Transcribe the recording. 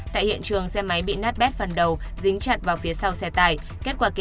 tại hiện trường xe máy bị nát bét phần đầu dính chặt vào phía sau xe tải